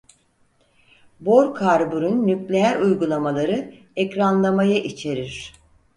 Bor karbürün nükleer uygulamaları ekranlamayı içerir.